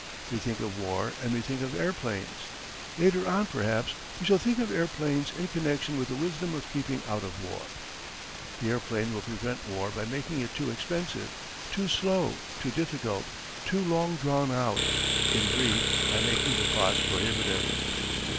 We think of war and we think of airplanes. Later on, perhaps, we shall think of airplanes in connection with the wisdom of keeping out of war. "The airplane will prevent war by making it too expensive, too slow, too difficult, too long drawn out in brief, by making the cost prohibitive.